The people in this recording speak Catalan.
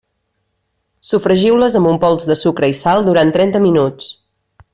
Sofregiu-les amb un pols de sucre i sal durant trenta minuts.